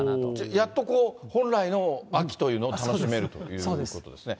やっとこう、本来の秋というのを楽しめるということですね。